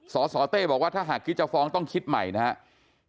สสเต้บอกว่าถ้าหากคิดจะฟ้องต้องคิดใหม่นะครับ